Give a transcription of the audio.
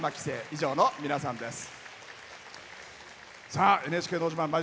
以上の皆さんです。